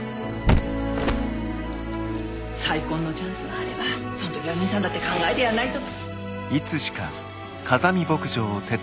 再婚のチャンスがあればそん時は兄さんだって考えてやんないと。